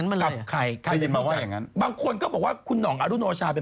อันนี้ก็ต้องดูกันต่อไป